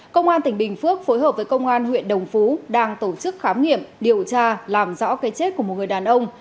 công an tỉnh bình phước phối hợp với công an huyện đồng phú đang tổ chức khám nghiệm điều tra làm rõ cái chết của một người đàn ông